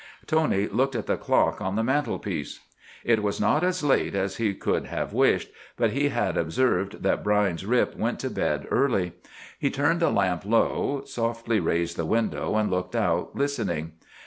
Tony looked at the clock on the mantelpiece. It was not as late as he could have wished, but he had observed that Brine's Rip went to bed early. He turned the lamp low, softly raised the window, and looked out, listening.